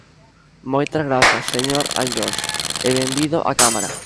Moitas grazas, señor Anllóns, e benvido á Cámara.